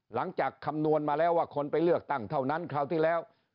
คำนวณมาแล้วว่าคนไปเลือกตั้งเท่านั้นคราวที่แล้ว